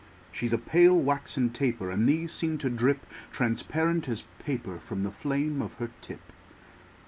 She's a pale, waxen taper; And these seem to drip Transparent as paper From the flame of her tip.